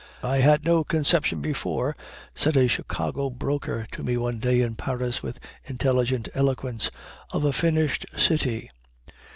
"I had no conception before," said a Chicago broker to me one day in Paris, with intelligent eloquence, "of a finished city!"